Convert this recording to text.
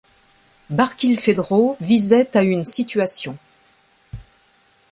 Barkilphedro visait à une situation.